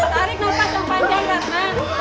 tarik raffa sepanjangnya